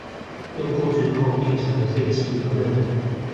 用過之後變成廢氣和熱能